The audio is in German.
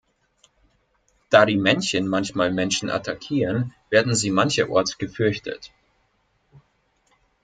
Da die Männchen manchmal Menschen attackieren, werden sie mancherorts gefürchtet.